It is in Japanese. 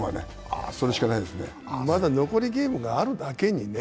まだ残りゲームがあるだけにね。